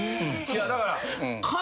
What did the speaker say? いやだから。